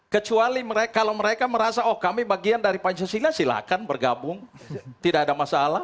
kecuali kalau mereka merasa oh kami bagian dari pancasila silahkan bergabung tidak ada masalah